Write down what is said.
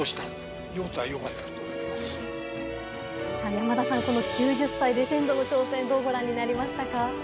山田さん、９０歳での挑戦、どうご覧になりましたか？